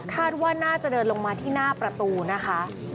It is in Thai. คาดว่าน่าจะเดินลงมาที่หน้าประตูนะคะ